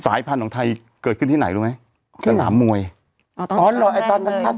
สายพันธุ์ของไทยเกิดขึ้นที่ไหนรู้ไหมสนามมวยอ๋อตอนตอน